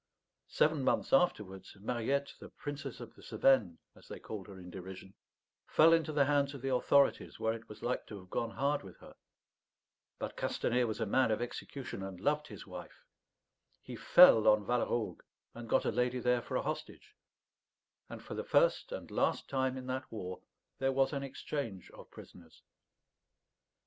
Seven months afterwards, Mariette, the Princess of the Cevennes, as they called her in derision, fell into the hands of the authorities, where it was like to have gone hard with her. But Castanet was a man of execution, and loved his wife. He fell on Valleraugue, and got a lady there for a hostage; and for the first and last time in that war there was an exchange of prisoners.